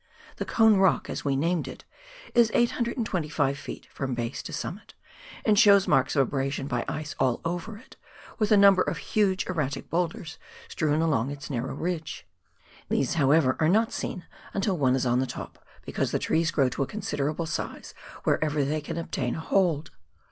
The "Cone" Rock (as we named it) is 825 ft. from base to summit, and shows marks of abrasion by ice all over it, with a number of huge erratic boulders strewn along its narrow ridge. These, however, are not seen until one is on the top, because the trees grow to a considerable size wherever they can obtain a hold.